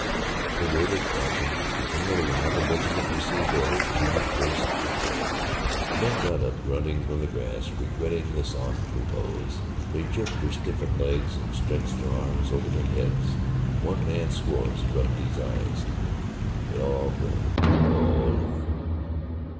They waited, watching. Within a little while the regiment received orders to retrace its way. The men got up grunting from the grass, regretting the soft repose. They jerked their stiffened legs, and stretched their arms over their heads. One man swore as he rubbed his eyes. They all groaned "O Lord!"